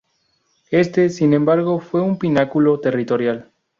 Este, sin embargo, fue su pináculo territorial.